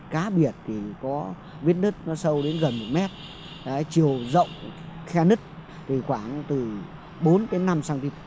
cá biệt thì có vết lứt nó sâu đến gần một mét chiều rộng khe lứt thì khoảng từ bốn năm cm